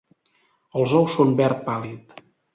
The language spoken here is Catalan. Els ous són verd pàl·lid.